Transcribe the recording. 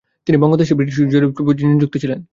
তিনি বঙ্গদেশের ব্রিটিশ জরীপকাজে নিযুক্ত ছিলেন।